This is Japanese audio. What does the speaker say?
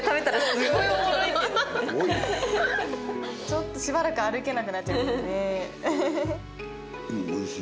ちょっとしばらく歩けなくなっちゃうので。